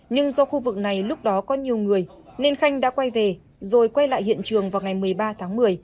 nhưng do khu vực này lúc đó có nhiều người nên khanh đã quay về rồi quay lại hiện trường vào ngày một mươi ba tháng một mươi